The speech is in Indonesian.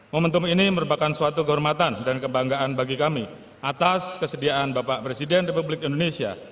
momentum ini merupakan suatu kehormatan dan kebanggaan bagi kami atas kesediaan bapak presiden republik indonesia